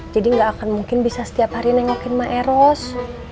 jadi gak akan mungkin bisa setiap hari nengokin ma eros